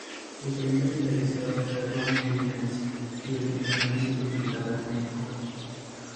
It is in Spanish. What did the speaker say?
El primer entrevistado fue Robin Williams y el primer músico invitado Meiko.